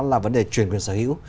là vấn đề truyền quyền sở hữu